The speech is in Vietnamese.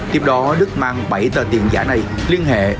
tiếp đó đức mang bảy tờ tiền giả này liên hệ